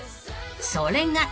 ［それが］